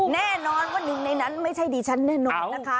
แน่นอนว่าหนึ่งในนั้นไม่ใช่ดิฉันแน่นอนนะคะ